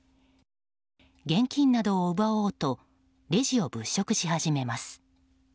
現金などを奪おうとレジを物色し始めます。